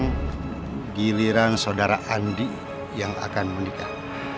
dengan giliran saudara andi yang akan menikah